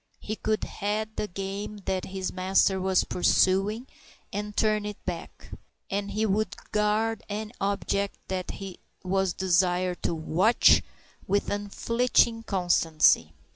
He could head the game that his master was pursuing and turn it back; and he would guard any object he was desired to "watch" with unflinching constancy.